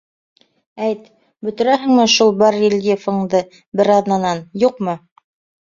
Әйт, бөтөрәһеңме шул барельефыңды бер аҙнанан, юҡмы?